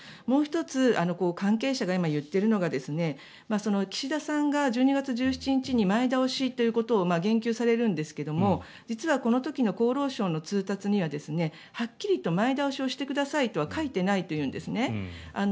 もう１つ関係者が言っているのが岸田さんが１２月１７日に前倒しということを言及されるんですが実はこの時の厚労省の通達にははっきりと前倒しをしてくださいと書いてないというんですね。